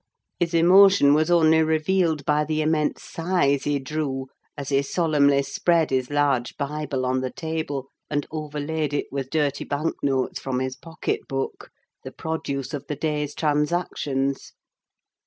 His emotion was only revealed by the immense sighs he drew, as he solemnly spread his large Bible on the table, and overlaid it with dirty bank notes from his pocket book, the produce of the day's transactions.